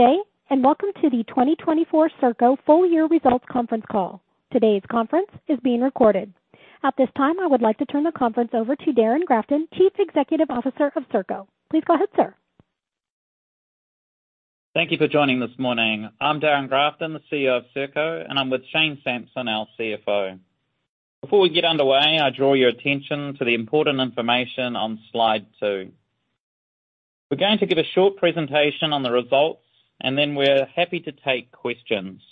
Good day, and welcome to the 2024 Serko Full Year Results Conference Call. Today's conference is being recorded. At this time, I would like to turn the conference over to Darren Grafton, Chief Executive Officer of Serko. Please go ahead, sir. Thank you for joining this morning. I'm Darren Grafton, the CEO of Serko, and I'm with Shane Sampson, our CFO. Before we get underway, I draw your attention to the important information on slide three. We're going to give a short presentation on the results, and then we're happy to take questions.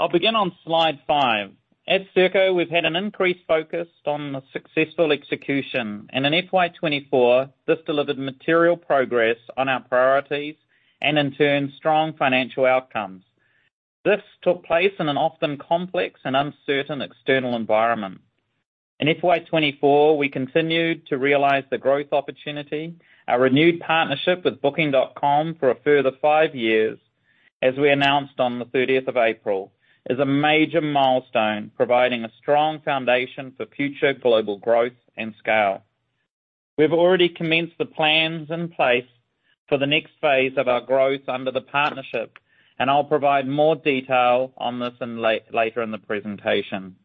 I'll begin on slide five. At Serko, we've had an increased focus on the successful execution, and in FY 2024, this delivered material progress on our priorities and, in turn, strong financial outcomes. This took place in an often complex and uncertain external environment. In FY 2024, we continued to realize the growth opportunity. Our renewed partnership with Booking.com for a further five years, as we announced on the April 13th, is a major milestone, providing a strong foundation for future global growth and scale. We've already commenced the plans in place for the next phase of our growth under the partnership, and I'll provide more detail on this in later in the presentation.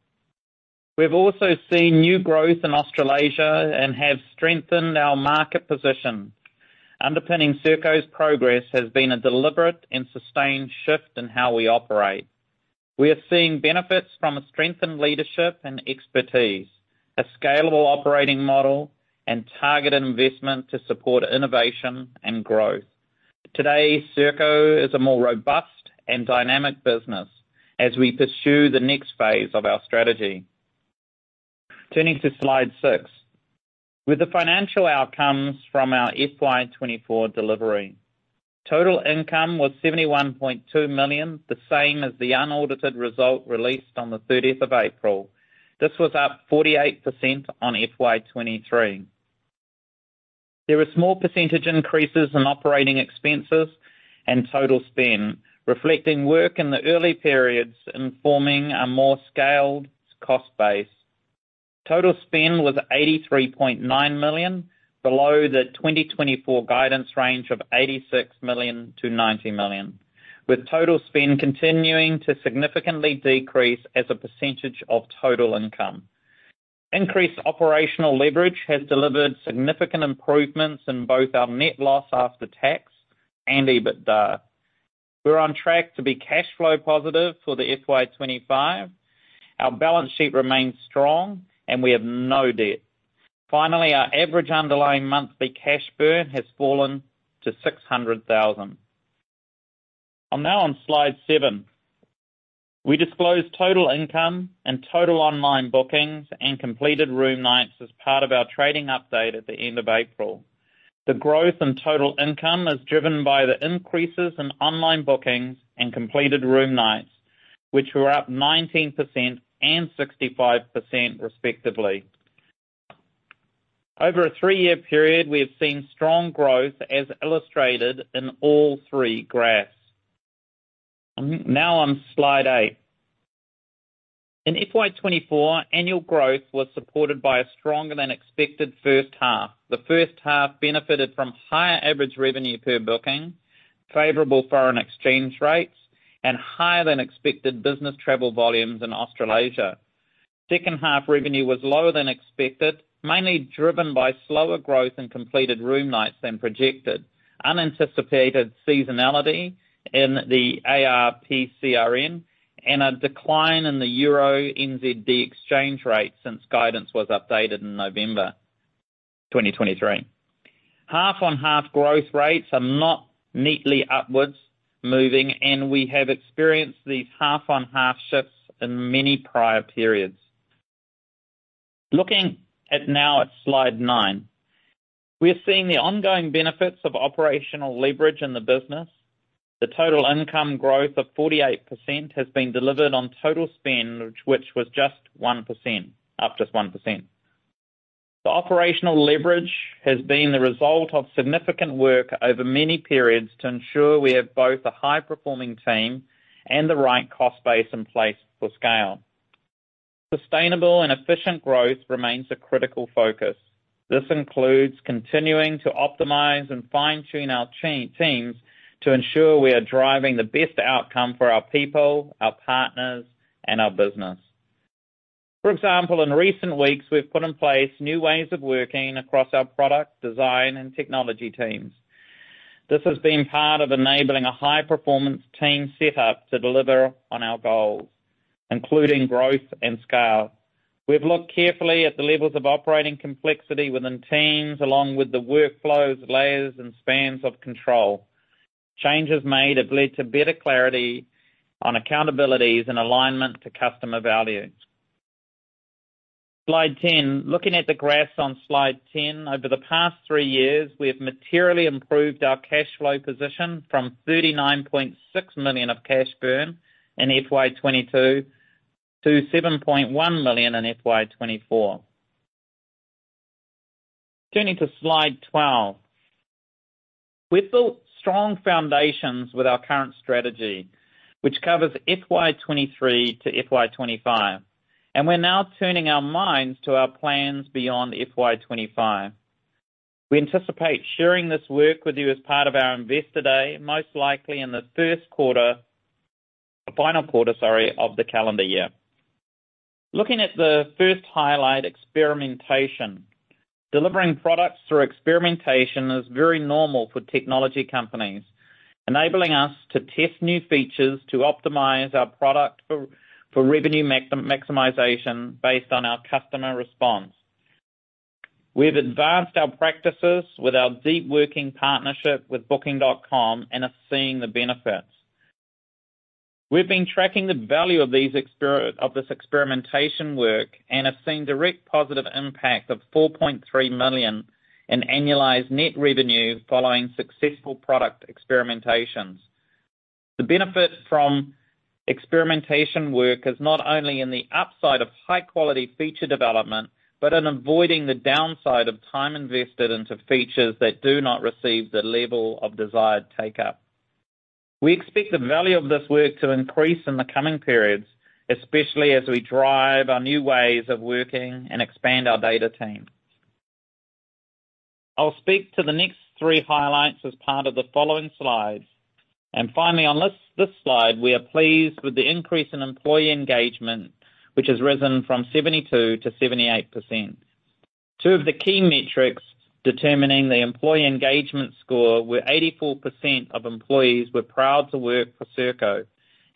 We've also seen new growth in Australasia and have strengthened our market position. Underpinning Serko's progress has been a deliberate and sustained shift in how we operate. We are seeing benefits from a strengthened leadership and expertise, a scalable operating model, and targeted investment to support innovation and growth. Today, Serko is a more robust and dynamic business as we pursue the next phase of our strategy. Turning to slide six. With the financial outcomes from our FY 2024 delivery, total income was 71.2 million, the same as the unaudited result released on the April 13th. This was up 48% on FY 2023. There were small percentage increases in operating expenses and total spend, reflecting work in the early periods in forming a more scaled cost base. Total spend was 83.9 million, below the 2024 guidance range of 86 million-90 million, with total spend continuing to significantly decrease as a percentage of total income. Increased operational leverage has delivered significant improvements in both our net loss after tax and EBITDA. We're on track to be cash flow positive for the FY 2025. Our balance sheet remains strong, and we have no debt. Finally, our average underlying monthly cash burn has fallen to 600,000. I'm now on slide seven. We disclosed total income and total online bookings and completed room nights as part of our trading update at the end of April. The growth in total income is driven by the increases in online bookings and completed room nights, which were up 19% and 65%, respectively. Over a three-year period, we have seen strong growth, as illustrated in all three graphs. Now on slide eight. In FY 2024, annual growth was supported by a stronger-than-expected first half. The first half benefited from higher average revenue per booking, favorable foreign exchange rates, and higher-than-expected business travel volumes in Australasia. Second half revenue was lower than expected, mainly driven by slower growth in completed room nights than projected, unanticipated seasonality in the ARPCRN, and a decline in the euro-NZD exchange rate since guidance was updated in November 2023. Half-on-half growth rates are not neatly upwards moving, and we have experienced these half-on-half shifts in many prior periods. Looking now at slide nine. We are seeing the ongoing benefits of operational leverage in the business. The total income growth of 48% has been delivered on total spend, which was just 1%, up just 1%. The operational leverage has been the result of significant work over many periods to ensure we have both a high-performing team and the right cost base in place for scale. Sustainable and efficient growth remains a critical focus. This includes continuing to optimize and fine-tune our teams to ensure we are driving the best outcome for our people, our partners, and our business. For example, in recent weeks, we've put in place new ways of working across our product, design, and technology teams. This has been part of enabling a high-performance team setup to deliver on our goals, including growth and scale. We've looked carefully at the levels of operating complexity within teams, along with the workflows, layers, and spans of control. Changes made have led to better clarity on accountabilities and alignment to customer value. Slide 10. Looking at the graphs on slide 10, over the past three years, we have materially improved our cash flow position from 39.6 million of cash burn in FY 2022 to 7.1 million in FY 2024. Turning to slide 12. We've built strong foundations with our current strategy, which covers FY 2023 to FY 2025.... We're now turning our minds to our plans beyond FY 2025. We anticipate sharing this work with you as part of our Investor Day, most likely in the first quarter - the final quarter, sorry, of the calendar year. Looking at the first highlight, experimentation. Delivering products through experimentation is very normal for technology companies, enabling us to test new features to optimize our product for revenue maximization based on our customer response. We've advanced our practices with our deep working partnership with Booking.com and are seeing the benefits. We've been tracking the value of this experimentation work, and have seen direct positive impact of 4.3 million in annualized net revenue following successful product experimentations. The benefit from experimentation work is not only in the upside of high-quality feature development, but in avoiding the downside of time invested into features that do not receive the level of desired take-up. We expect the value of this work to increase in the coming periods, especially as we drive our new ways of working and expand our data team. I'll speak to the next three highlights as part of the following slides. And finally, on this, this slide, we are pleased with the increase in employee engagement, which has risen from 72%-78%. Two of the key metrics determining the employee engagement score were 84% of employees were proud to work for Serko,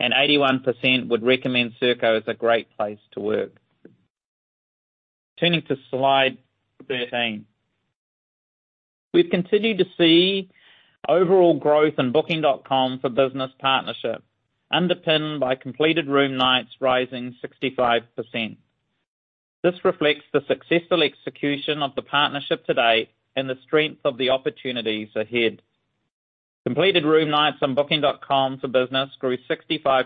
and 81% would recommend Serko as a great place to work. Turning to slide 13. We've continued to see overall growth in Booking.com for Business partnership, underpinned by completed room nights rising 65%. This reflects the successful execution of the partnership to date and the strength of the opportunities ahead. Completed room nights on Booking.com for Business grew 65%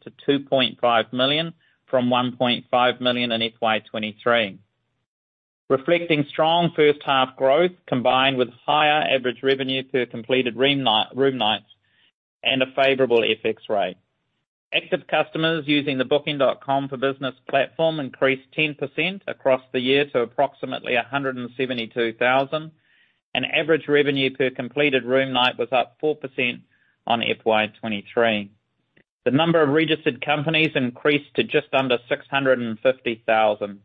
to 2.5 million from 1.5 million in FY 2023, reflecting strong first half growth, combined with higher average revenue per completed room night, room nights, and a favorable FX rate. Active customers using the Booking.com for Business platform increased 10% across the year to approximately 172,000, and average revenue per completed room night was up 4% on FY 2023. The number of registered companies increased to just under 650,000.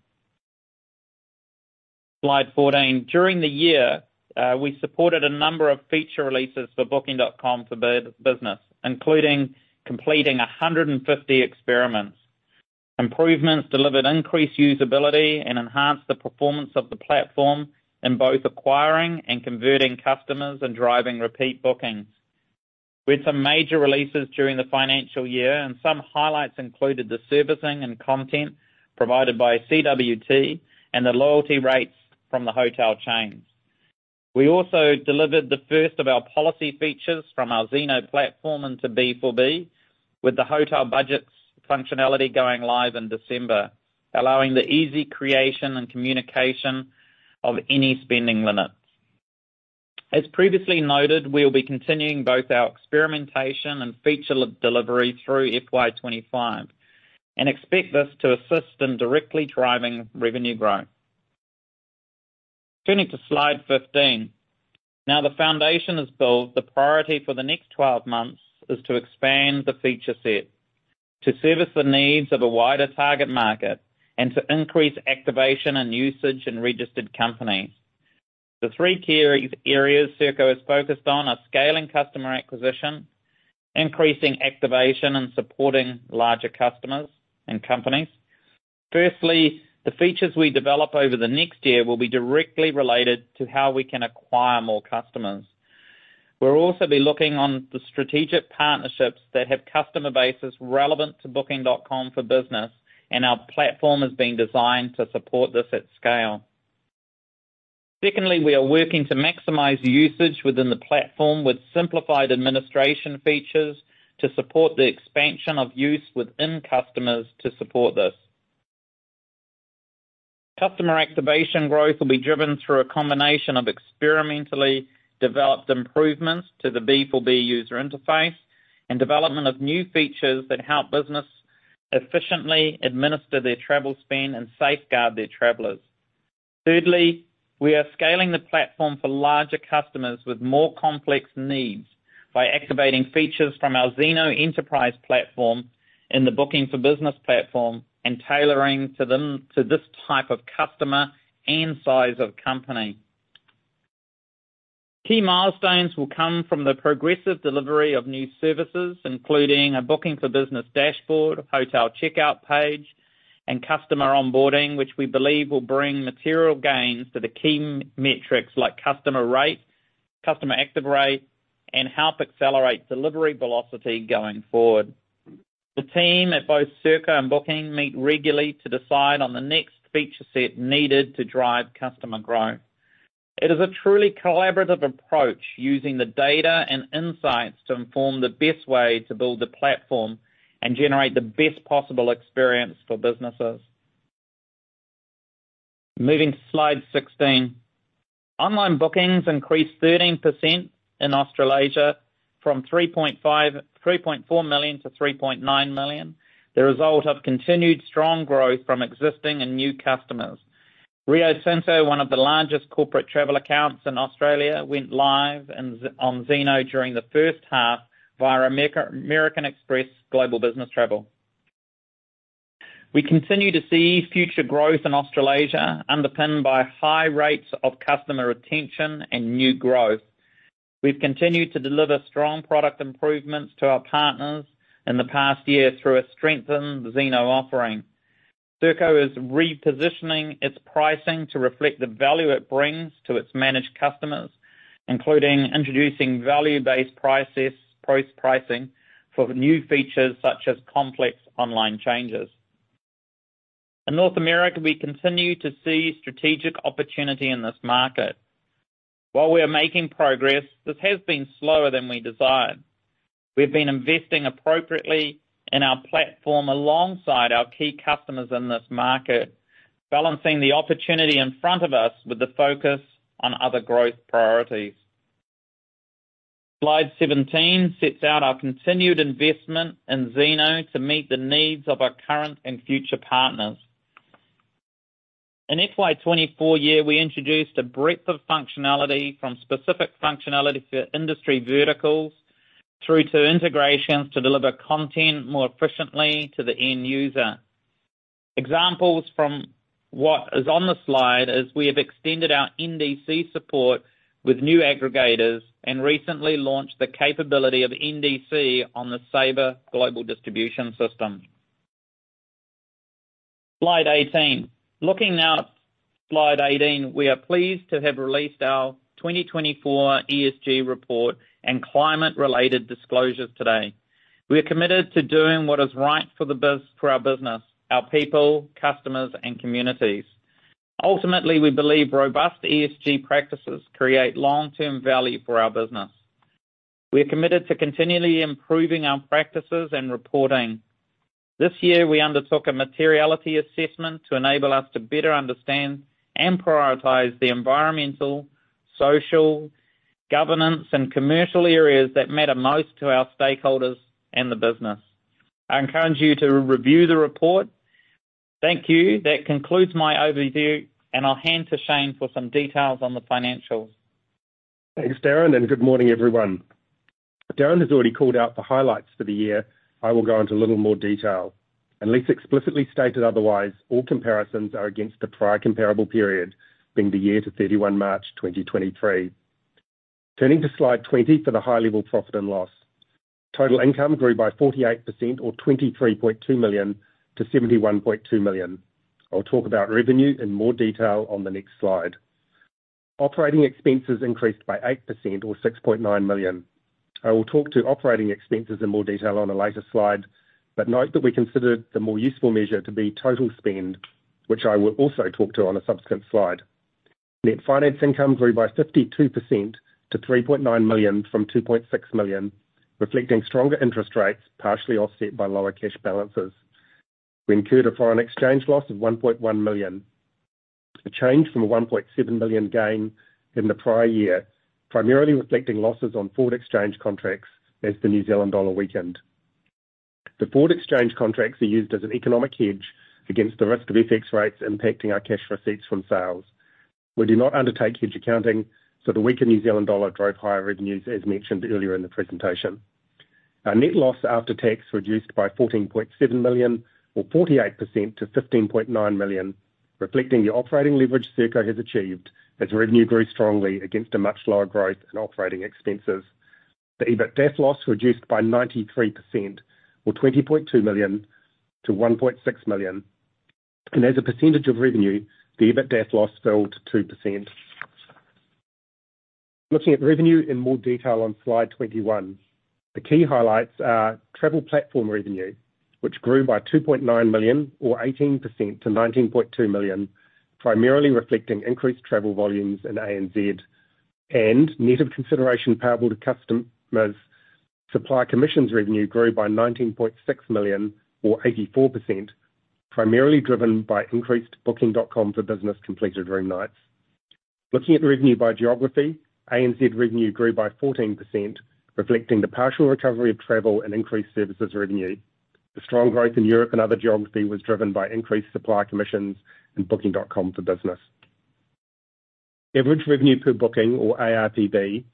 Slide 14. During the year, we supported a number of feature releases for Booking.com for Business, including completing 150 experiments. Improvements delivered increased usability and enhanced the performance of the platform in both acquiring and converting customers and driving repeat bookings. We had some major releases during the financial year, and some highlights included the servicing and content provided by CWT and the loyalty rates from the hotel chains. We also delivered the first of our policy features from our Zeno platform into B4B, with the hotel budgets functionality going live in December, allowing the easy creation and communication of any spending limits. As previously noted, we'll be continuing both our experimentation and feature delivery through FY 25 and expect this to assist in directly driving revenue growth. Turning to slide 15. Now the foundation is built, the priority for the next 12 months is to expand the feature set, to service the needs of a wider target market, and to increase activation and usage in registered companies. The three key areas Serko is focused on are: scaling customer acquisition, increasing activation, and supporting larger customers and companies. Firstly, the features we develop over the next year will be directly related to how we can acquire more customers. We'll also be looking on the strategic partnerships that have customer bases relevant to Booking.com for Business, and our platform is being designed to support this at scale. Secondly, we are working to maximize usage within the platform with simplified administration features to support the expansion of use within customers to support this. Customer activation growth will be driven through a combination of experimentally developed improvements to the B4B user interface and development of new features that help business efficiently administer their travel spend and safeguard their travelers. Thirdly, we are scaling the platform for larger customers with more complex needs by activating features from our Zeno Enterprise platform in the Booking.com for Business platform and tailoring to them, to this type of customer and size of company. Key milestones will come from the progressive delivery of new services, including a Booking.com for Business dashboard, a hotel checkout page, and customer onboarding, which we believe will bring material gains to the key metrics like customer rate, customer active rate, and help accelerate delivery velocity going forward. The team at both Serko and Booking meet regularly to decide on the next feature set needed to drive customer growth. It is a truly collaborative approach, using the data and insights to inform the best way to build the platform and generate the best possible experience for businesses... Moving to slide 16. Online bookings increased 13% in Australasia from 3.4 million-3.9 million, the result of continued strong growth from existing and new customers. Rio Tinto, one of the largest corporate travel accounts in Australia, went live on Zeno during the first half via American Express Global Business Travel. We continue to see future growth in Australasia, underpinned by high rates of customer retention and new growth. We've continued to deliver strong product improvements to our partners in the past year through a strengthened Zeno offering. Serko is repositioning its pricing to reflect the value it brings to its managed customers, including introducing value-based prices, plus pricing for new features such as complex online changes. In North America, we continue to see strategic opportunity in this market. While we are making progress, this has been slower than we desired. We've been investing appropriately in our platform alongside our key customers in this market, balancing the opportunity in front of us with the focus on other growth priorities. Slide 17 sets out our continued investment in Zeno to meet the needs of our current and future partners. In FY 2024 year, we introduced a breadth of functionality from specific functionality for industry verticals, through to integrations to deliver content more efficiently to the end user. Examples from what is on the slide is we have extended our NDC support with new aggregators and recently launched the capability of NDC on the Sabre Global Distribution System. Slide 18. Looking now at slide 18, we are pleased to have released our 2024 ESG report and climate-related disclosures today. We are committed to doing what is right for our business, our people, customers, and communities. Ultimately, we believe robust ESG practices create long-term value for our business. We are committed to continually improving our practices and reporting. This year, we undertook a materiality assessment to enable us to better understand and prioritize the environmental, social, governance, and commercial areas that matter most to our stakeholders and the business. I encourage you to review the report. Thank you. That concludes my overview, and I'll hand to Shane for some details on the financials. Thanks, Darren, and good morning, everyone. Darren has already called out the highlights for the year. I will go into a little more detail. Unless explicitly stated otherwise, all comparisons are against the prior comparable period, being the year to 31 March 2023. Turning to slide 20 for the high level profit and loss. Total income grew by 48% or 23.2 million to 71.2 million. I'll talk about revenue in more detail on the next slide. Operating expenses increased by 8% or 6.9 million. I will talk to operating expenses in more detail on a later slide, but note that we consider the more useful measure to be total spend, which I will also talk to on a subsequent slide. Net finance income grew by 52% to 3.9 million from 2.6 million, reflecting stronger interest rates, partially offset by lower cash balances. We incurred a foreign exchange loss of 1.1 million, a change from a 1.7 million gain in the prior year, primarily reflecting losses on forward exchange contracts as the New Zealand dollar weakened. The forward exchange contracts are used as an economic hedge against the risk of FX rates impacting our cash receipts from sales. We do not undertake hedge accounting, so the weaker New Zealand dollar drove higher revenues, as mentioned earlier in the presentation. Our net loss after tax reduced by 14.7 million or 48% to 15.9 million, reflecting the operating leverage Serko has achieved as revenue grew strongly against a much lower growth in operating expenses. The EBITDAF loss reduced by 93% or 20.2 million to 1.6 million, and as a percentage of revenue, the EBITDAF loss fell to 2%. Looking at revenue in more detail on slide 21. The key highlights are travel platform revenue, which grew by 2.9 million or 18% to 19.2 million, primarily reflecting increased travel volumes in ANZ and net of consideration payable to customers. Supply commissions revenue grew by 19.6 million or 84%, primarily driven by increased Booking.com for Business completed room nights. Looking at revenue by geography, ANZ revenue grew by 14%, reflecting the partial recovery of travel and increased services revenue. The strong growth in Europe and other geography was driven by increased supply commissions and Booking.com for Business. Average revenue per booking or ARPB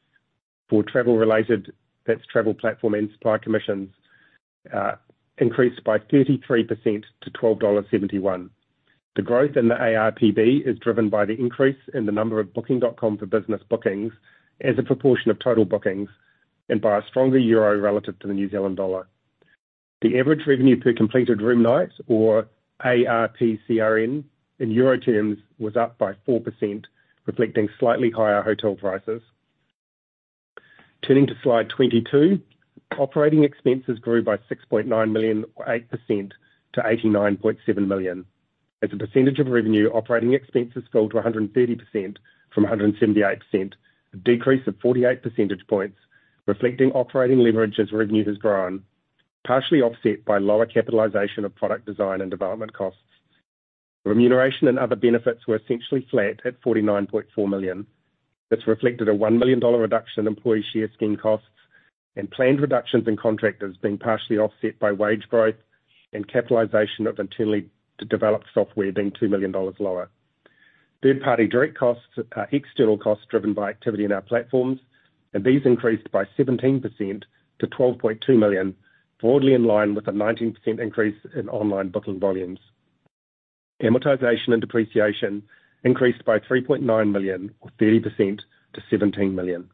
for travel-related, that's travel platform and supply commissions, increased by 33% to 12.71 dollars. The growth in the ARPB is driven by the increase in the number of Booking.com for business bookings as a proportion of total bookings and by a stronger euro relative to the New Zealand dollar. The average revenue per completed room night or ARPCRN, in euro terms, was up by 4%, reflecting slightly higher hotel prices. Turning to slide 22. Operating expenses grew by 6.9 million or 8% to 89.7 million. As a percentage of revenue, operating expenses fell to 130% from 178%, a decrease of 48% points, reflecting operating leverage as revenue has grown... partially offset by lower capitalization of product design and development costs. Remuneration and other benefits were essentially flat at 49.4 million. This reflected a one million dollar reduction in employee share scheme costs and planned reductions in contractors, being partially offset by wage growth and capitalization of internally to develop software being 2 million dollars lower. Third-party direct costs are external costs driven by activity in our platforms, and these increased by 17% to 12.2 million, broadly in line with a 19% increase in online booking volumes. Amortization and depreciation increased by 3.9 million, or 30% to 17 million.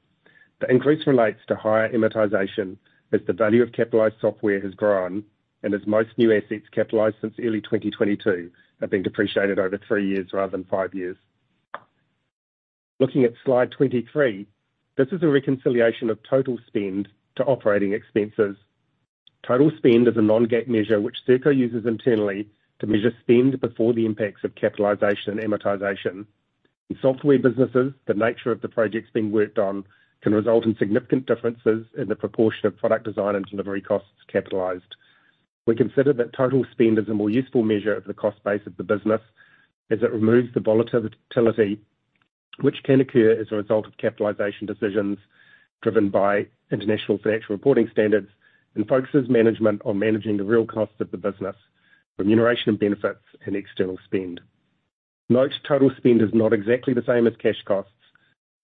The increase relates to higher amortization as the value of capitalized software has grown, and as most new assets capitalized since early 2022 have been depreciated over three years rather than five years. Looking at slide 23, this is a reconciliation of Total Spend to operating expenses. Total spend is a non-GAAP measure which Serko uses internally to measure spend before the impacts of capitalization and amortization. In software businesses, the nature of the projects being worked on can result in significant differences in the proportion of product design and delivery costs capitalized. We consider that total spend is a more useful measure of the cost base of the business, as it removes the volatility, volatility which can occur as a result of capitalization decisions driven by international financial reporting standards, and focuses management on managing the real costs of the business, remuneration and benefits, and external spend. Note, total spend is not exactly the same as cash costs.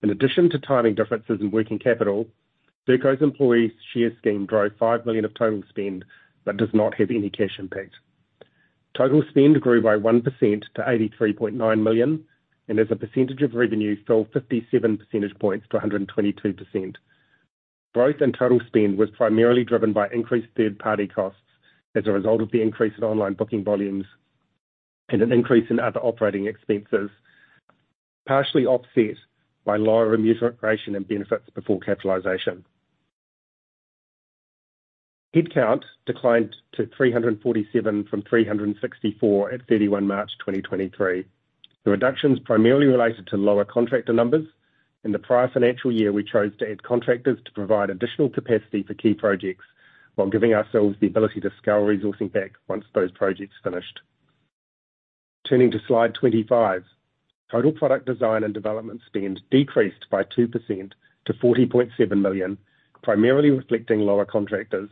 In addition to timing differences in working capital, Serko's employees share scheme drove 5 million of total spend, but does not have any cash impact. Total Spend grew by 1% to 83.9 million, and as a percentage of revenue, fell 57% points to 122%. Growth in Total Spend was primarily driven by increased third-party costs as a result of the increase in online booking volumes and an increase in other operating expenses, partially offset by lower remuneration and benefits before capitalization. Headcount declined to 347 from 364 at 31 March 2023. The reductions primarily related to lower contractor numbers. In the prior financial year, we chose to add contractors to provide additional capacity for key projects, while giving ourselves the ability to scale resourcing back once those projects finished. Turning to slide 25. Total product design and development spend decreased by 2% to 40.7 million, primarily reflecting lower contractors.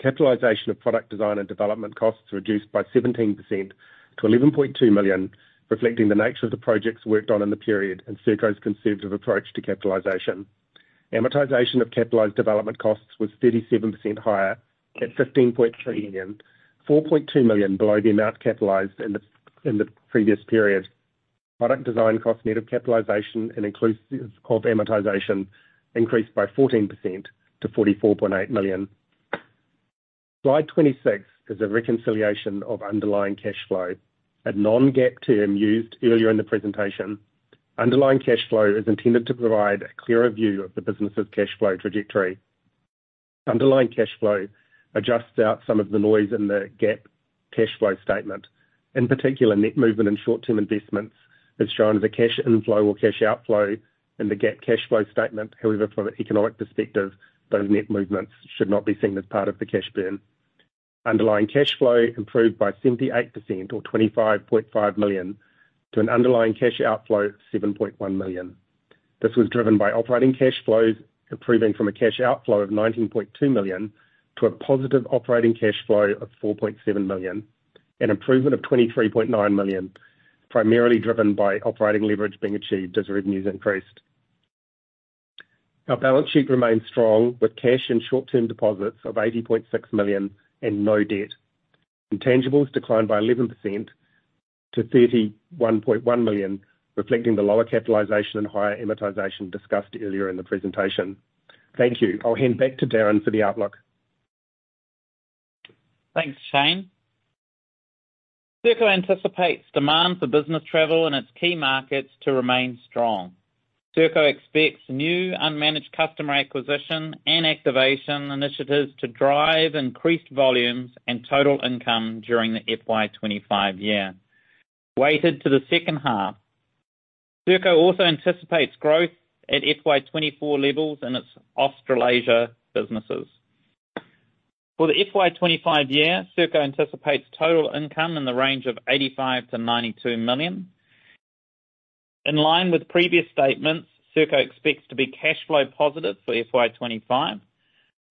Capitalization of product design and development costs reduced by 17% to 11.2 million, reflecting the nature of the projects worked on in the period and Serko's conservative approach to capitalization. Amortization of capitalized development costs was 37% higher at 15.3 million, 4.2 million below the amount capitalized in the previous period. Product design costs, net of capitalization and inclusive of amortization increased by 14% to 44.8 million. Slide 26 is a reconciliation of underlying cash flow. A non-GAAP term used earlier in the presentation. Underlying cash flow is intended to provide a clearer view of the business's cash flow trajectory. Underlying cash flow adjusts out some of the noise in the GAAP cash flow statement. In particular, net movement in short-term investments is shown as a cash inflow or cash outflow in the GAAP cash flow statement. However, from an economic perspective, those net movements should not be seen as part of the cash burn. Underlying cash flow improved by 78% or 25.5 million to an underlying cash outflow of 7.1 million. This was driven by operating cash flows, improving from a cash outflow of 19.2 million to a positive operating cash flow of 4.7 million. An improvement of 23.9 million, primarily driven by operating leverage being achieved as revenues increased. Our balance sheet remains strong, with cash and short-term deposits of 80.6 million and no debt. Intangibles declined by 11% to 31.1 million, reflecting the lower capitalization and higher amortization discussed earlier in the presentation. Thank you. I'll hand back to Darren for the outlook. Thanks, Shane. Serko anticipates demand for business travel in its key markets to remain strong. Serko expects new unmanaged customer acquisition and activation initiatives to drive increased volumes and total income during the FY 25 year, weighted to the second half. Serko also anticipates growth at FY 24 levels in its Australasia businesses. For the FY 25 year, Serko anticipates total income in the range of 85 million-92 million. In line with previous statements, Serko expects to be cash flow positive for FY 25,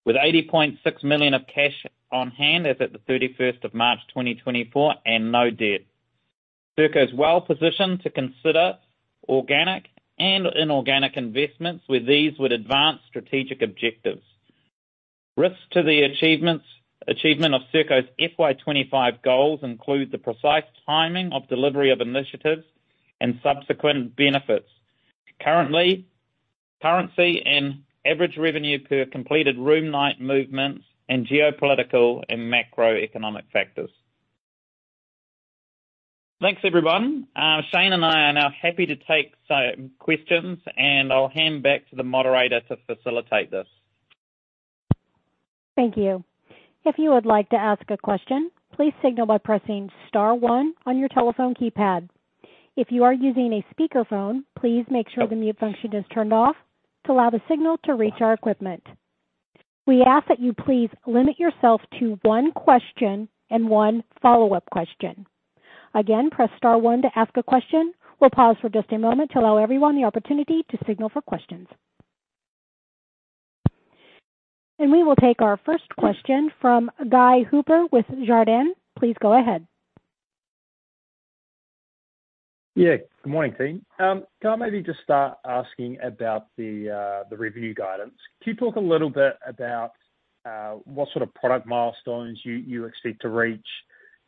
with 80.6 million of cash on hand as of the thirty-first of March 2024, and no debt. Serko is well positioned to consider organic and inorganic investments, where these would advance strategic objectives. Risks to the achievement of Serko's FY 25 goals include the precise timing of delivery of initiatives and subsequent benefits. Currently, currency and average revenue per completed room night movements and geopolitical and macroeconomic factors. Thanks, everyone. Shane and I are now happy to take some questions, and I'll hand back to the moderator to facilitate this. Thank you. If you would like to ask a question, please signal by pressing star one on your telephone keypad. If you are using a speakerphone, please make sure the mute function is turned off to allow the signal to reach our equipment. We ask that you please limit yourself to one question and one follow-up question. Again, press star one to ask a question. We'll pause for just a moment to allow everyone the opportunity to signal for questions. We will take our first question from Guy Hooper with Jarden. Please go ahead. Yeah, good morning, team. Can I maybe just start asking about the review guidance? Can you talk a little bit about what sort of product milestones you expect to reach,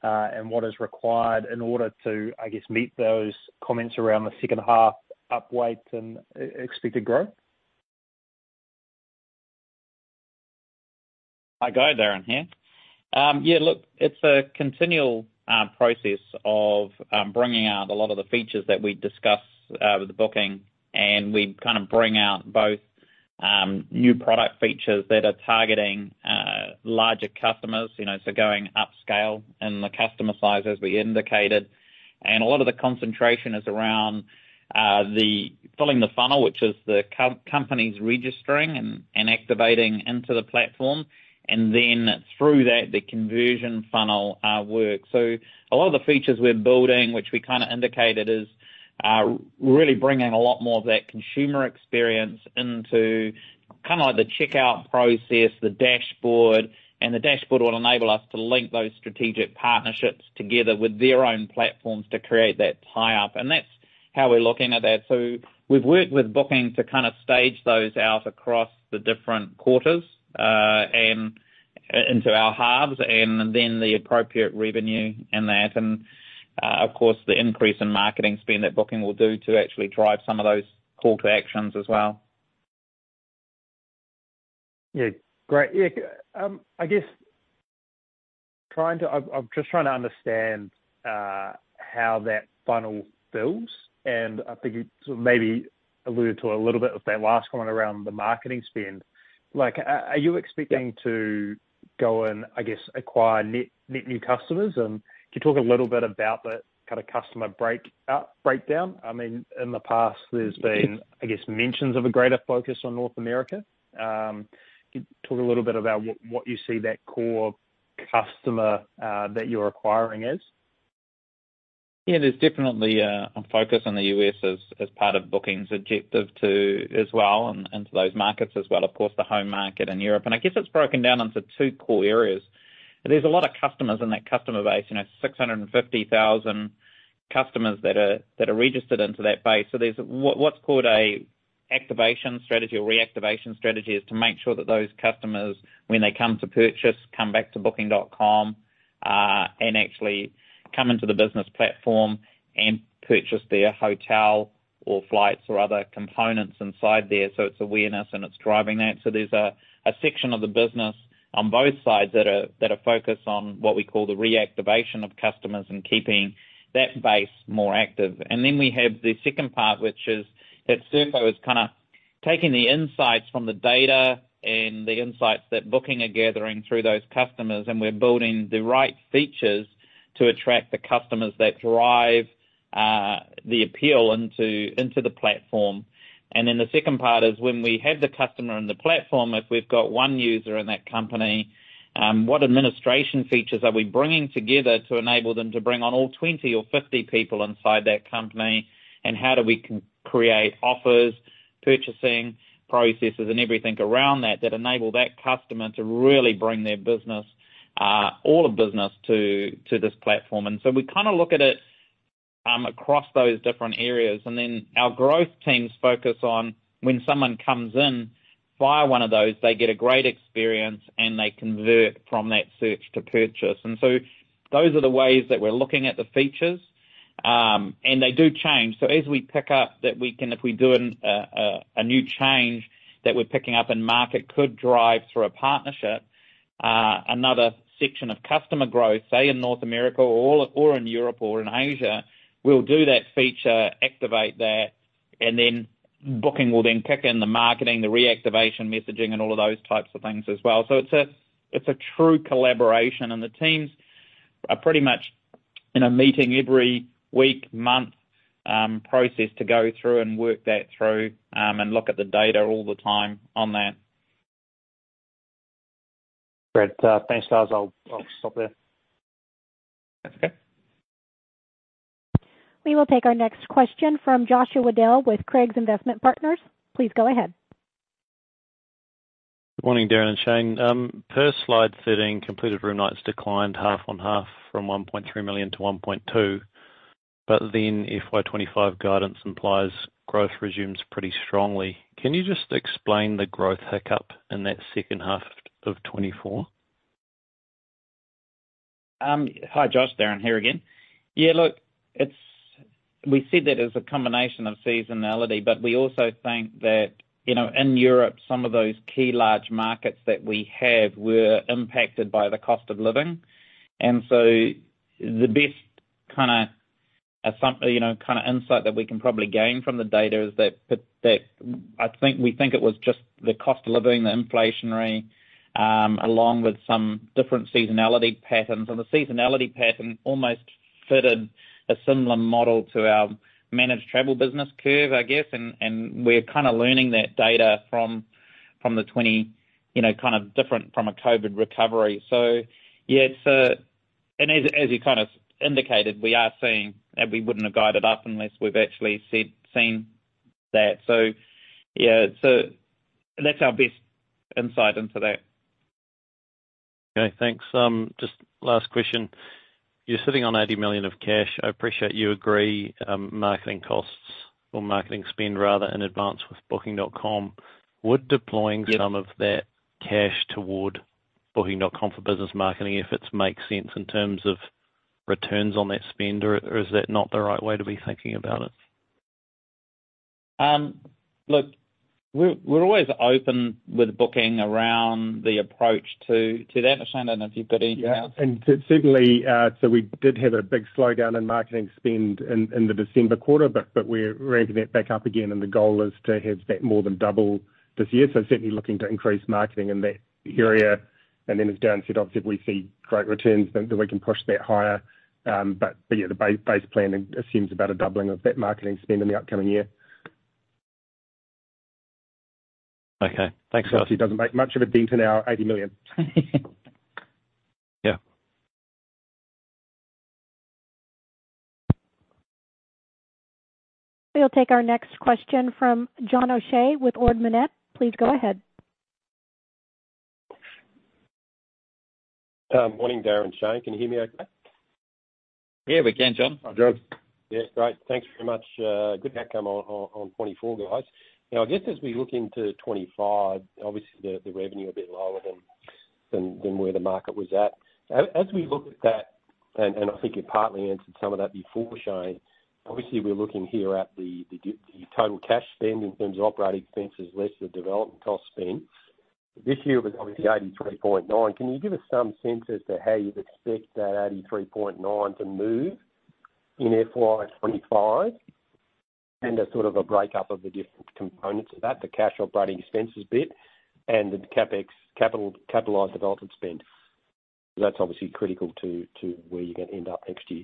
and what is required in order to, I guess, meet those comments around the second half upweight and expected growth? Hi, Guy, Darren here. Yeah, look, it's a continual process of bringing out a lot of the features that we discuss with the booking, and we kind of bring out both new product features that are targeting larger customers, you know, so going upscale in the customer size, as we indicated. A lot of the concentration is around filling the funnel, which is the companies registering and activating into the platform, and then through that, the conversion funnel work. A lot of the features we're building, which we kind of indicated, is really bringing a lot more of that consumer experience into kind of like the checkout process, the dashboard. The dashboard will enable us to link those strategic partnerships together with their own platforms to create that tie up, and that's how we're looking at that. So we've worked with Booking to kind of stage those out across the different quarters, and into our halves, and then the appropriate revenue in that. And, of course, the increase in marketing spend that Booking will do to actually drive some of those call to actions as well. Yeah, great. Yeah, I guess, trying to... I've just trying to understand how that funnel builds, and I think you sort of maybe alluded to a little bit of that last one around the marketing spend. Like, are you expecting- Yeah... to go and, I guess, acquire net, net new customers? And can you talk a little bit about the kind of customer break out, breakdown? I mean, in the past there's been- Yes... I guess, mentions of a greater focus on North America. Can you talk a little bit about what, what you see that core customer, that you're acquiring is? Yeah, there's definitely a focus on the U.S. as part of Booking's objective to, as well, and to those markets as well, of course, the home market in Europe. And I guess it's broken down into two core areas. There's a lot of customers in that customer base, you know, 650,000 customers that are registered into that base. So there's what's called an activation strategy or reactivation strategy, is to make sure that those customers, when they come to purchase, come back to Booking.com and actually come into the business platform and purchase their hotel or flights or other components inside there, so it's awareness, and it's driving that. So there's a section of the business on both sides that are focused on what we call the reactivation of customers and keeping that base more active. And then we have the second part, which is that Serko is kind of taking the insights from the data and the insights that Booking are gathering through those customers, and we're building the right features to attract the customers that drive the appeal into the platform. And then the second part is when we have the customer on the platform, if we've got one user in that company, what administration features are we bringing together to enable them to bring on all 20 or 50 people inside that company? And how do we create offers, purchasing processes, and everything around that, that enable that customer to really bring their business all of business to this platform? We kind of look at it across those different areas, and then our growth teams focus on when someone comes in via one of those, they get a great experience, and they convert from that search to purchase. Those are the ways that we're looking at the features, and they do change. So as we pick up that we can if we do a new change that we're picking up in market could drive through a partnership another section of customer growth, say in North America or in Europe or in Asia, we'll do that feature, activate that, and then Booking will then kick in the marketing, the reactivation messaging, and all of those types of things as well. So it's a, it's a true collaboration, and the teams are pretty much in a meeting every week, month, process to go through and work that through, and look at the data all the time on that. Great. Thanks, guys. I'll stop there. That's okay. We will take our next question from Joshua Dale with Craigs Investment Partners. Please go ahead. Good morning, Darren and Shane. Per slide 13, Completed Room Nights declined half on half from 1.3 million-1.2 million, but then FY 2025 guidance implies growth resumes pretty strongly. Can you just explain the growth hiccup in that second half of 2024? Hi, Josh, Darren here again. Yeah, look, it's—we see that as a combination of seasonality, but we also think that, you know, in Europe, some of those key large markets that we have were impacted by the cost of living. And so the best kind of insight that we can probably gain from the data is that I think, we think it was just the cost of living, the inflationary, along with some different seasonality patterns. And the seasonality pattern almost fitted a similar model to our managed travel business curve, I guess, and, and we're kind of learning that data from the 20, you know, kind of different from a COVID recovery. So yeah, it's—and as you kind of indicated, we are seeing, and we wouldn't have guided up unless we've actually seen that. So, yeah, so that's our best insight into that. Okay, thanks. Just last question: You're sitting on 80 million of cash. I appreciate you agree, marketing costs or marketing spend, rather, in advance with Booking.com. Would deploying- Yep -some of that cash toward Booking.com for Business marketing, if it makes sense in terms of returns on that spend, or, or is that not the right way to be thinking about it? Look, we're always open with Booking around the approach to that, Shane. I don't know if you've got anything to add. Yeah, and certainly, so we did have a big slowdown in marketing spend in the December quarter, but we're ramping that back up again, and the goal is to have that more than double this year. So certainly looking to increase marketing in that area. And then as Darren said, obviously, if we see great returns, then we can push that higher. But yeah, the base plan assumes about a doubling of that marketing spend in the upcoming year. Okay. Thanks, guys. So it doesn't make much of a dent in our 80 million. Yeah. We'll take our next question from John O'Shea with Ord Minnett. Please go ahead. Morning, Darren and Shane, can you hear me okay? Yeah, we can, John. Hi, John. Yeah, great. Thanks very much. Good outcome on 2024, guys. Now, I guess as we look into 2025, obviously the revenue a bit lower than where the market was at. As we look at that, and I think you partly answered some of that before, Shane, obviously we're looking here at the total cash spend in terms of operating expenses less the development cost spend. This year it was obviously 83.9. Can you give us some sense as to how you'd expect that 83.9 to move in FY 2025? And a sort of a breakup of the different components of that, the cash operating expenses bit and the CapEx capitalized development spend. That's obviously critical to where you're going to end up next year.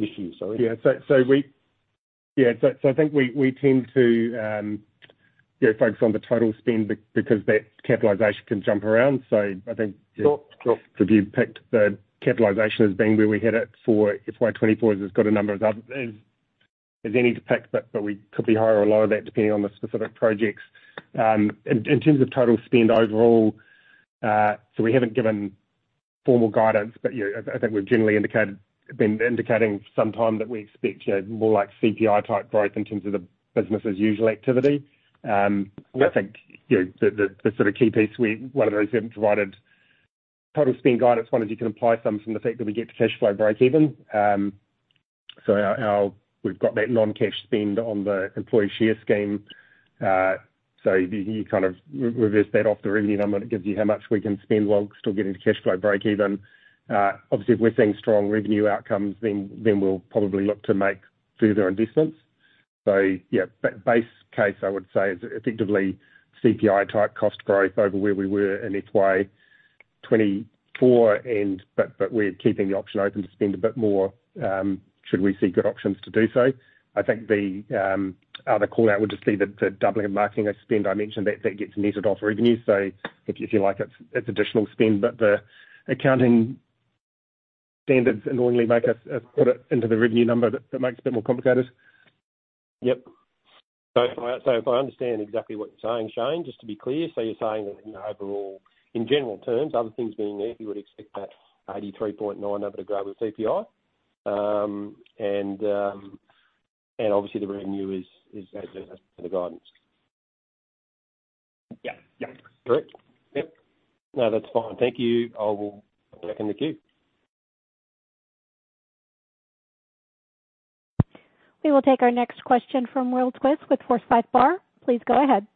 This year, sorry. Yeah. So, we tend to focus on the total spend because that capitalization can jump around. So I think- Sure, sure. If you picked the capitalization as being where we had it for FY 2024, it's got a number of other... assumptions to pick, but we could be higher or lower than that depending on the specific projects. In terms of Total Spend overall, so we haven't given formal guidance, but yeah, I think we've generally indicated, been indicating for some time that we expect more like CPI-type growth in terms of the business' usual activity. I think, you know, one of the reasons we haven't provided Total Spend guidance, one is you can imply some from the fact that we get to cash flow breakeven. So our, we've got that non-cash spend on the employee share scheme. So you kind of reverse that off the revenue number, it gives you how much we can spend while still getting to cash flow breakeven. Obviously, if we're seeing strong revenue outcomes, then we'll probably look to make further investments. So yeah, base case, I would say, is effectively CPI-type cost growth over where we were in FY 2024, but we're keeping the option open to spend a bit more, should we see good options to do so. I think the other call-out would just be the doubling of marketing spend I mentioned, that gets netted off revenue. So if you like, it's additional spend, but the accounting standards annoyingly make us put it into the revenue number. That makes it a bit more complicated. Yep. So if I understand exactly what you're saying, Shane, just to be clear, so you're saying that, you know, overall, in general terms, other things being equal, you would expect that 83.9 number to grow with CPI. And obviously the revenue is as per the guidance? Yeah. Yeah. Correct? Yep. No, that's fine. Thank you. I will put back in the queue. We will take our next question from Will Twiss with Forsyth Barr. Please go ahead.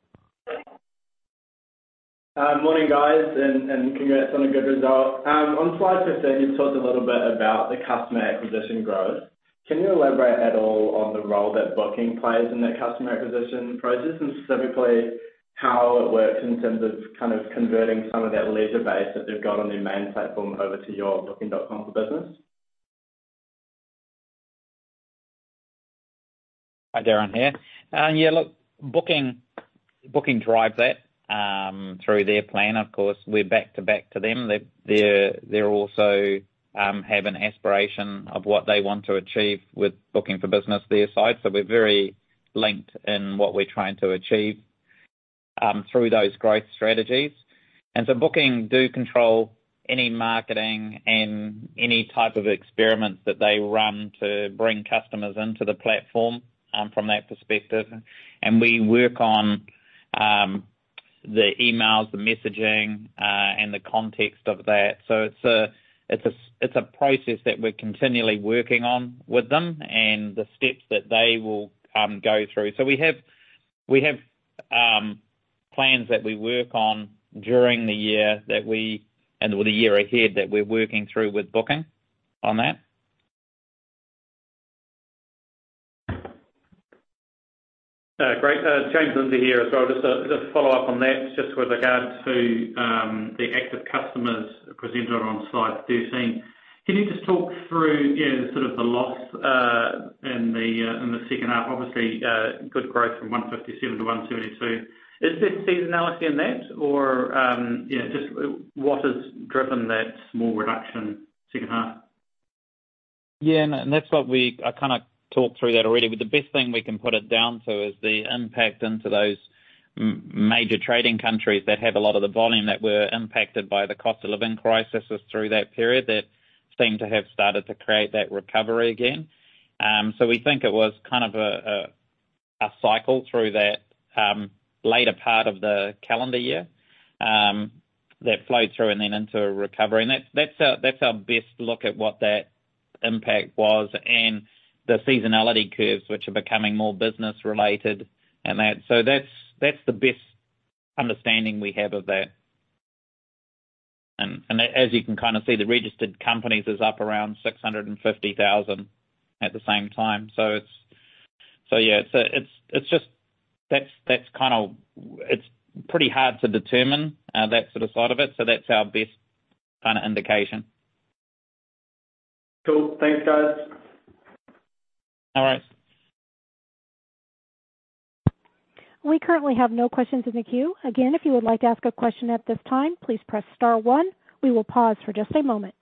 Morning, guys, and congrats on a good result. On slide 15, you've talked a little bit about the customer acquisition growth. Can you elaborate at all on the role that Booking plays in that customer acquisition process, and specifically, how it works in terms of kind of converting some of that leisure base that they've got on their main platform over to your Booking.com for Business? Hi, Darren here. Yeah, look, Booking, Booking drives that through their plan. Of course, we're back-to-back to them. They're also have an aspiration of what they want to achieve with Booking for Business, their side. So we're very linked in what we're trying to achieve through those growth strategies. And so Booking do control any marketing and any type of experiments that they run to bring customers into the platform from that perspective. And we work on the emails, the messaging, and the context of that. So it's a process that we're continually working on with them and the steps that they will go through. So we have plans that we work on during the year that we and with the year ahead, that we're working through with Booking on that. Great. James Lindsay here. So just a, just to follow up on that, just with regards to the active customers presented on slide 13. Can you just talk through, you know, sort of the loss in the second half? Obviously, good growth from 157 to 172. Is there seasonality in that or, you know, just what has driven that small reduction second half? Yeah, and that's what we - I kind of talked through that already. But the best thing we can put it down to is the impact into those major trading countries that have a lot of the volume, that were impacted by the cost of living crisis through that period, that seem to have started to create that recovery again. So we think it was kind of a cycle through that, later part of the calendar year, that flowed through and then into a recovery. And that's our best look at what that impact was and the seasonality curves, which are becoming more business related, and that. So that's the best understanding we have of that. As you can kind of see, the registered companies is up around 650,000 at the same time. So yeah, it's just. That's kind of... It's pretty hard to determine that sort of side of it, so that's our best kind of indication. Cool. Thanks, guys. No worries. We currently have no questions in the queue. Again, if you would like to ask a question at this time, please press star one. We will pause for just a moment.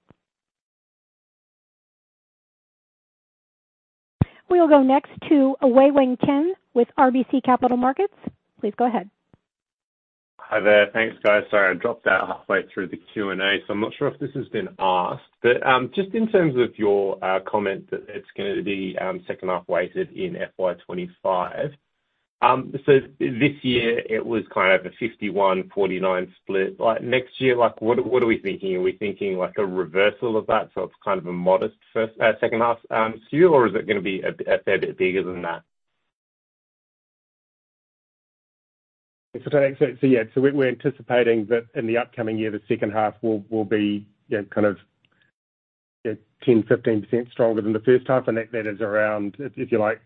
We will go next to Wei-Weng Chen with RBC Capital Markets. Please go ahead. Hi there. Thanks, guys. Sorry, I dropped out halfway through the Q&A, so I'm not sure if this has been asked. But, just in terms of your comment that it's gonna be second half weighted in FY 2025. So this year it was kind of a 51-49 split. Like, next year, like, what are, what are we thinking? Are we thinking like a reversal of that, so it's kind of a modest first second half skew, or is it gonna be a fair bit bigger than that? Yeah. We're anticipating that in the upcoming year, the second half will be, you know, kind of, yeah, 10%-15% stronger than the first half. And that is around, if you like,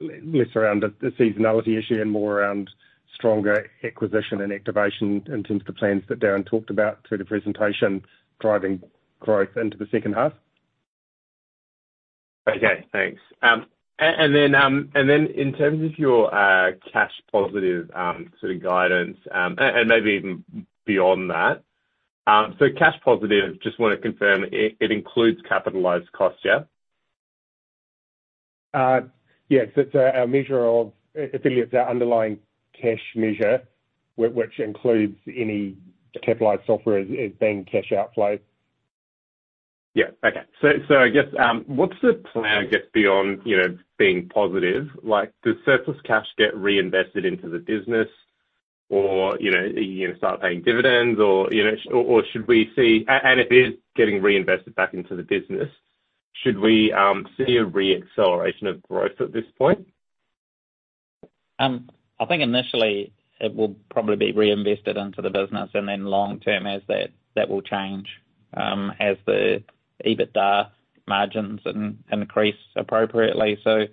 less around the seasonality issue and more around stronger acquisition and activation in terms of the plans that Darren talked about through the presentation, driving growth into the second half. Okay, thanks. And then, and then in terms of your cash positive sort of guidance, and maybe even beyond that, so cash positive, just want to confirm, it includes capitalized costs, yeah? Yes, it's our measure of affiliates, our underlying cash measure, which includes any capitalized software as being cash outflow. Yeah. Okay. So I guess, what's the plan, I guess, beyond, you know, being positive? Like, does surplus cash get reinvested into the business or, you know, are you gonna start paying dividends or, you know, or should we see... And if it is getting reinvested back into the business, should we see a re-acceleration of growth at this point? I think initially it will probably be reinvested into the business, and then long term as that, that will change, as the EBITDA margins and increase appropriately. So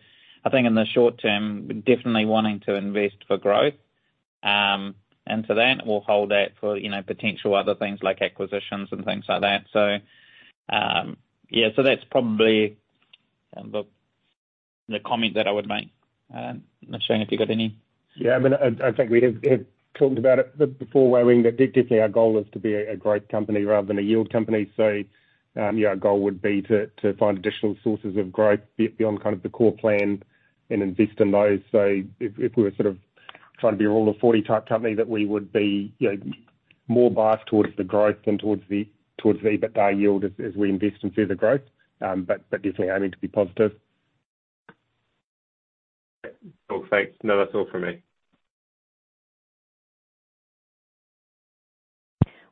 I think in the short term, definitely wanting to invest for growth. And so then we'll hold that for, you know, potential other things like acquisitions and things like that. So, yeah, so that's probably, the, the comment that I would make. Not sure if you got any? Yeah, I mean, I think we have talked about it before, where we... Definitely our goal is to be a growth company rather than a yield company. So, yeah, our goal would be to find additional sources of growth beyond kind of the core plan and invest in those. So if we're sort of trying to be a Rule of 40-type company, that we would be, you know, more biased towards the growth than towards the EBITDA yield as we invest in further growth. But definitely aiming to be positive. Cool. Thanks. No, that's all for me.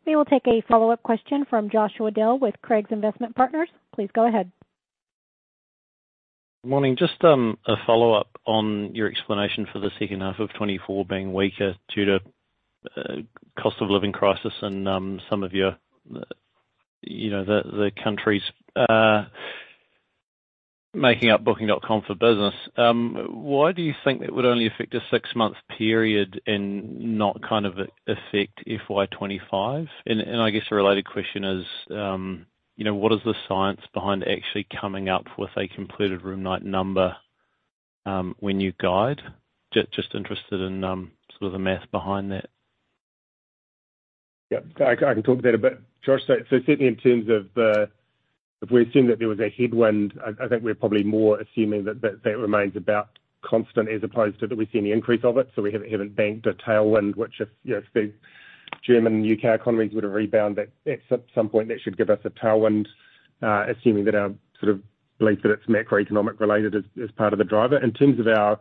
We will take a follow-up question from Joshua Dale with Craigs Investment Partners. Please go ahead. Morning. Just a follow-up on your explanation for the second half of 2024 being weaker due to cost of living crisis and some of your, you know, the countries making up Booking.com for Business. Why do you think that would only affect a six-month period and not kind of affect FY 2025? And I guess a related question is, you know, what is the science behind actually coming up with a completed room night number when you guide? Just interested in sort of the math behind that. Yep. I can talk to that a bit, Josh. So certainly in terms of the—if we assume that there was a headwind, I think we're probably more assuming that that remains about constant as opposed to that we see any increase of it. So we haven't banked a tailwind, which if you know if the German and UK economies were to rebound, that at some point that should give us a tailwind. Assuming that our sort of belief that it's macroeconomic related as part of the driver. In terms of our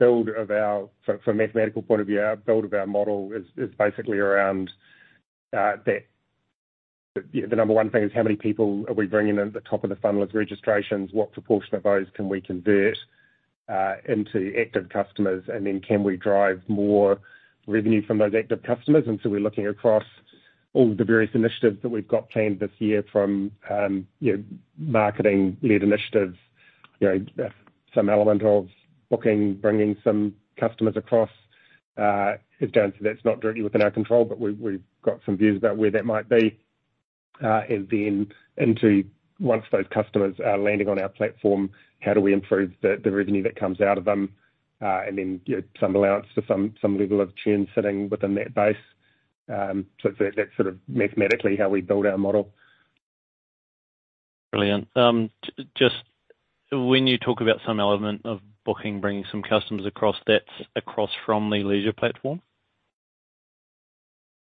build of our... For a mathematical point of view, our build of our model is basically around that the number one thing is how many people are we bringing in at the top of the funnel as registrations? What proportion of those can we convert into active customers? And then can we drive more revenue from those active customers? And so we're looking across all the various initiatives that we've got planned this year from, you know, marketing-led initiatives, you know, some element of booking, bringing some customers across, is down, so that's not directly within our control, but we've got some views about where that might be. And then into once those customers are landing on our platform, how do we improve the revenue that comes out of them? And then give some allowance to some level of churn sitting within that base. So that's sort of mathematically how we build our model. Brilliant. Just when you talk about some element of booking, bringing some customers across, that's across from the leisure platform?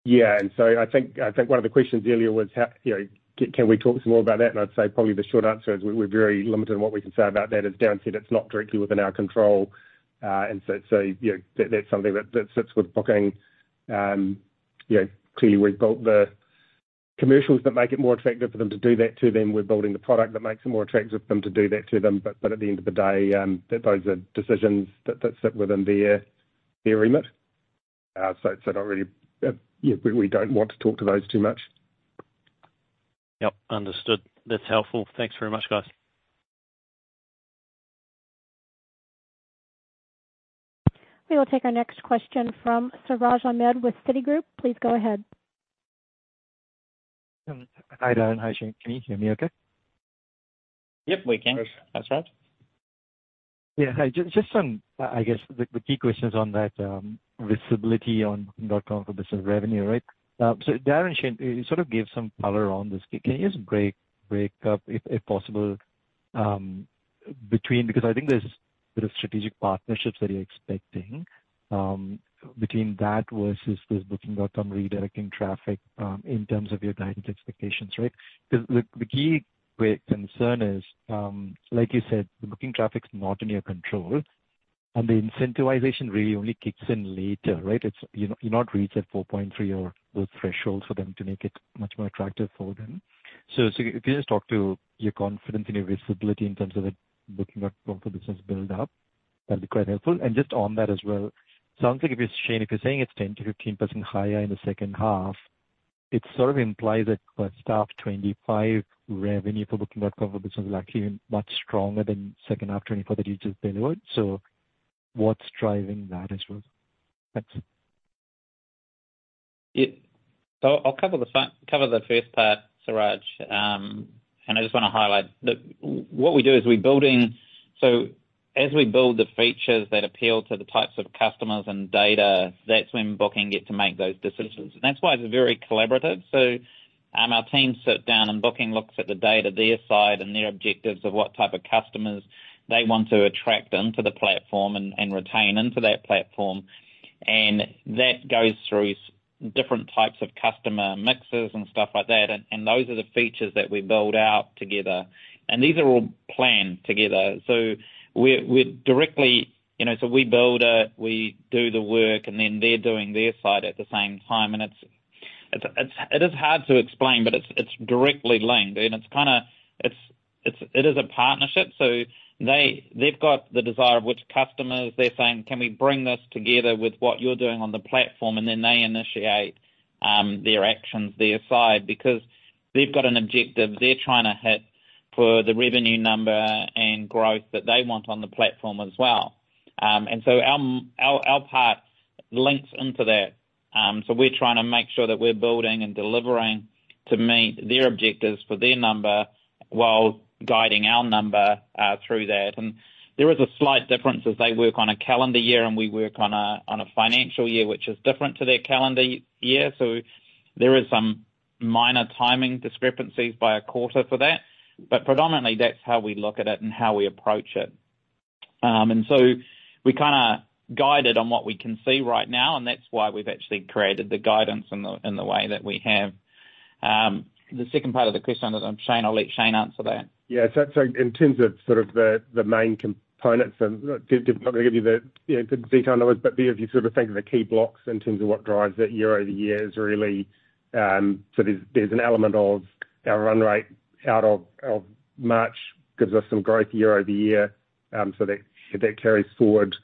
Yeah, and so I think one of the questions earlier was how, you know, can we talk some more about that? And I'd say probably the short answer is we're very limited in what we can say about that. As Darren said, it's not directly within our control. And so, you know, that's something that sits with Booking. You know, clearly, we've built the commercials that make it more attractive for them to do that to them. We're building the product that makes it more attractive for them to do that to them, but at the end of the day, those are decisions that sit within their remit. So not really, yeah, we don't want to talk to those too much. Yep. Understood. That's helpful. Thanks very much, guys. We will take our next question from Siraj Ahmed with Citigroup. Please go ahead. Hi, Darren. Hi, Shane. Can you hear me okay? Yep, we can. That's right. Yeah. Hi, just on, I guess, the key questions on that, visibility on Booking.com for Business revenue, right? So Darren, Shane, you sort of gave some color on this. Can you just break up, if possible, between—because I think there's bit of strategic partnerships that you're expecting, between that versus this Booking.com redirecting traffic, in terms of your guidance expectations, right? Because the key concern is, like you said, the booking traffic's not in your control, and the incentivization really only kicks in later, right? It's, you know, you're not reached at 4.3 or those thresholds for them to make it much more attractive for them. So if you just talk to your confidence in your visibility in terms of the Booking.com for Business build up, that'd be quite helpful. Just on that as well, sounds like if, Shane, if you're saying it's 10%-15% higher in the second half, it sort of implies that by FY 2025 revenue for Booking.com for Business is actually much stronger than second half 2024 that you just billed. So what's driving that as well? Thanks. So I'll cover the first, cover the first part, Siraj. And I just want to highlight that what we do is we build in. So as we build the features that appeal to the types of customers and data, that's when Booking gets to make those decisions. And that's why it's very collaborative. So, our teams sit down, and Booking looks at the data, their side, and their objectives of what type of customers they want to attract onto the platform and, and retain into that platform. And that goes through different types of customer mixes and stuff like that, and, and those are the features that we build out together. And these are all planned together. So we're, we're directly, you know, so we build it, we do the work, and then they're doing their side at the same time. And it is hard to explain, but it's directly linked, and it's kind of a partnership. So they've got the desire of which customers they're saying, "Can we bring this together with what you're doing on the platform?" And then they initiate their actions their side, because they've got an objective they're trying to hit for the revenue number and growth that they want on the platform as well. And so our part links into that. So we're trying to make sure that we're building and delivering to meet their objectives for their number, while guiding our number through that. And there is a slight difference as they work on a calendar year, and we work on a financial year, which is different to their calendar year. So there is some minor timing discrepancies by a quarter for that, but predominantly that's how we look at it and how we approach it. And so we're kind of guided on what we can see right now, and that's why we've actually created the guidance in the way that we have. The second part of the question, Shane, I'll let Shane answer that. Yeah. So in terms of sort of the main components, and not to give you the, you know, the detail numbers, but if you sort of think of the key blocks in terms of what drives that year-over-year is really, so there's an element of our run rate out of March, gives us some growth year-over-year. So that carries forward.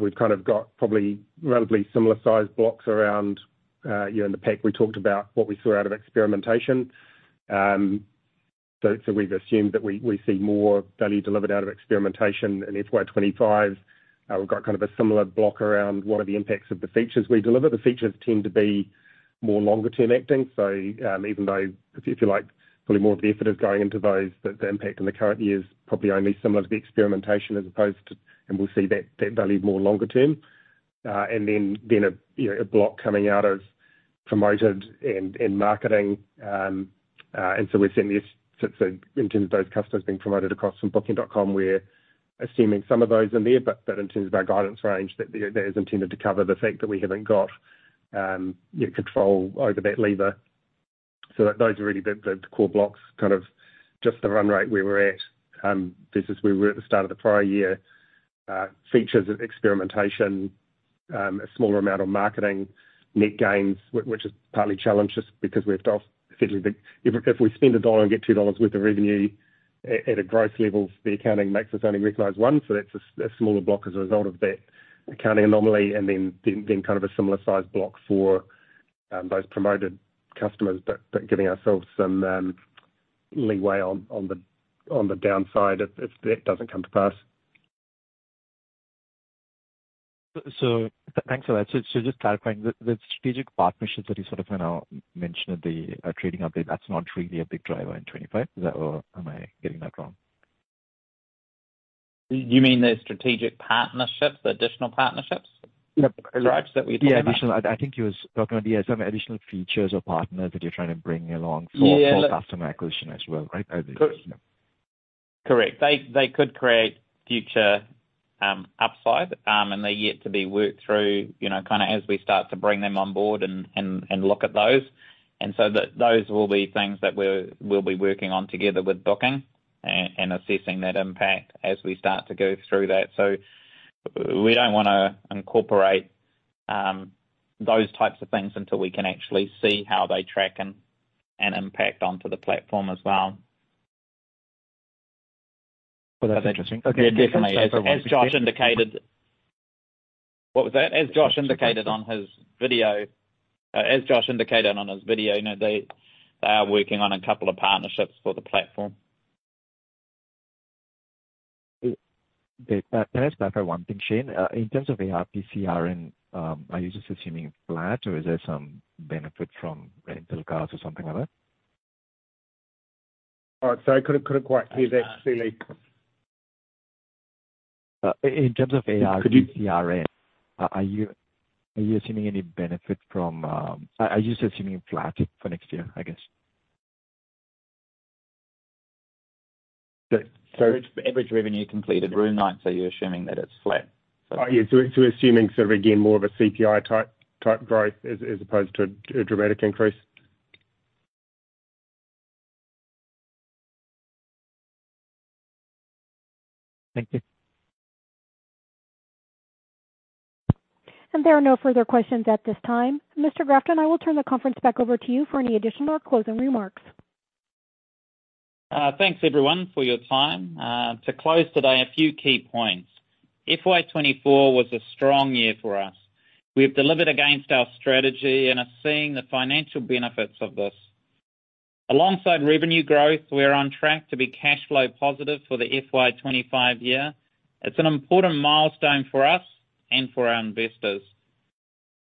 We've kind of got probably relatively similar-sized blocks around, you know, in the pack, we talked about what we saw out of experimentation. So we've assumed that we see more value delivered out of experimentation in FY 25. We've got kind of a similar block around what are the impacts of the features we deliver. The features tend to be more longer term acting, so, even though, if you like, probably more of the effort is going into those, but the impact in the current year is probably only similar to the experimentation as opposed to... And we'll see that, that value more longer term. And then a, you know, a block coming out of promoted and marketing. And so we're seeing in terms of those customers being promoted across from Booking.com, we're assuming some of those in there, but, but in terms of our guidance range, that, that is intended to cover the fact that we haven't got, you know, control over that lever. So those are really the, the core blocks, kind of just the run rate where we're at, versus where we were at the start of the prior year. Features and experimentation, a smaller amount of marketing, net gains, which is partly challenged, just because we have to offer essentially the— If we spend NZD 1 and get 2 dollars worth of revenue at a growth level, the accounting makes us only recognize one, so that's a smaller block as a result of that accounting anomaly, and then kind of a similar sized block for those promoted customers. But giving ourselves some leeway on the downside if that doesn't come to pass. So thanks for that. So, just clarifying, the strategic partnerships that you sort of kind of mentioned at the trading update, that's not really a big driver in 2025. Is that or am I getting that wrong? You mean the strategic partnerships, the additional partnerships? Yep. Right, that we talked about. Yeah, additional. I think he was talking about, yeah, some additional features or partners that you're trying to bring along. Yeah for customer acquisition as well, right? Correct. They could create future upside, and they're yet to be worked through, you know, kind of, as we start to bring them on board and look at those. And so those will be things that we'll be working on together with Booking and assessing that impact as we start to go through that. So we don't wanna incorporate those types of things until we can actually see how they track and impact onto the platform as well. Well, that's interesting. Okay. Yeah, definitely. As Josh indicated on his video, you know, they are working on a couple of partnerships for the platform. Can I just clarify one thing, Shane? In terms of ARPCRN, are you just assuming flat or is there some benefit from rental cars or something like that? Sorry, couldn't quite hear that, Siraj. In terms of ARPCRN, are you, are you assuming any benefit from, are you just assuming flat for next year, I guess? So average revenue completed room nights, are you assuming that it's flat? Yeah, so assuming sort of, again, more of a CPI type growth as opposed to a dramatic increase. Thank you. There are no further questions at this time. Mr. Grafton, I will turn the conference back over to you for any additional or closing remarks. Thanks, everyone, for your time. To close today, a few key points. FY 2024 was a strong year for us. We've delivered against our strategy and are seeing the financial benefits of this. Alongside revenue growth, we are on track to be cash flow positive for the FY 2025 year. It's an important milestone for us and for our investors.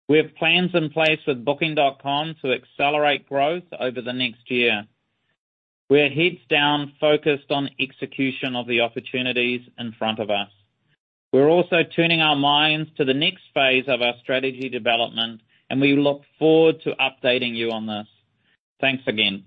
We have plans in place with Booking.com to accelerate growth over the next year. We are heads down, focused on execution of the opportunities in front of us. We're also turning our minds to the next phase of our strategy development, and we look forward to updating you on this. Thanks again.